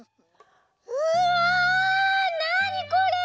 うわなにこれ！